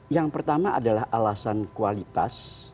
yang pertama adalah alasan kualitas